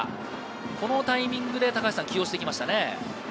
このタイミングで起用してきましたね。